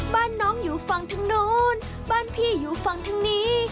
บ้านน้องอยู่ฝั่งทางนู้นบ้านพี่อยู่ฝั่งทางนี้